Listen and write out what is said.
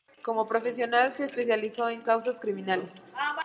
Como profesional se especializó en causas criminales.